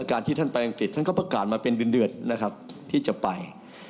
การที่ท่านไปอังกฤษท่านก็ประกาศมาเป็นเดือนนะครับที่จะไป